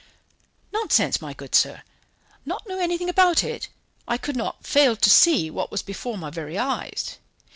"Nonsense, my good sir; not know anything about it! I could not fail to see what was before my very eyes.